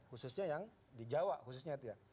khususnya yang di jawa khususnya itu ya